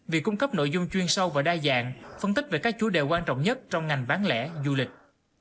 việc cung cấp nội dung chuyên sâu và đa dạng phân tích về các chủ đề quan trọng nhất trong ngành bán lẻ du lịch